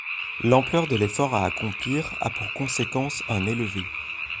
L'ampleur de l’effort à accomplir a pour conséquence un élevé.